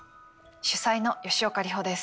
主宰の吉岡里帆です。